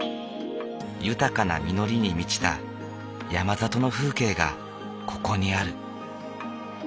豊かな実りに満ちた山里の風景がここにある。